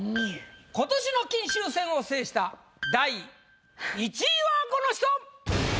今年の金秋戦を制した第１位はこの人！